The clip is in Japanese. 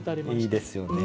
いいですよね。